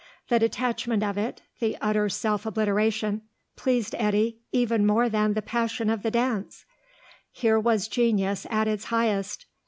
The detachment of it, the utter self obliteration, pleased Eddy even more than the passion of the dance; here was genius at its highest.